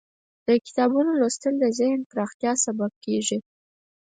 د کتابونو لوستل د ذهن پراختیا سبب کیږي.